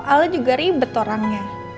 ala juga ribet orangnya